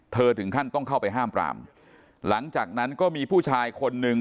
ถึงขั้นต้องเข้าไปห้ามปรามหลังจากนั้นก็มีผู้ชายคนหนึ่ง